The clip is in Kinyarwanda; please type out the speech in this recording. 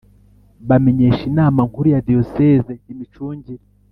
bamenyesha Inama nkuru ya Diyoseze imicungire